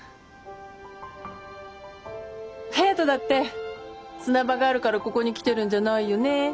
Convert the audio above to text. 颯人だって砂場があるからここに来てるんじゃないよね？